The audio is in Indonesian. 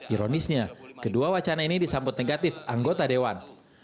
ironisnya kedua wacana ini disambut negatif anggota dewan